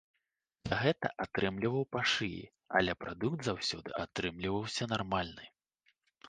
За гэта атрымліваў па шыі, але прадукт заўсёды атрымліваўся нармальны.